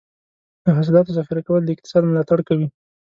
د حاصلاتو ذخیره کول د اقتصاد ملاتړ کوي.